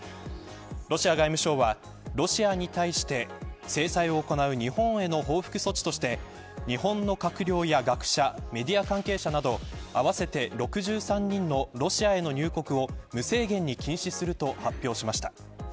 ロシア外務省はロシアに対して制裁を行う日本への報復措置として日本の閣僚や学者メディア関係者など合わせて６３人のロシアの入国を無制限に禁止すると発表しました。